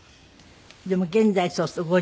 でも現在そうすると５２歳？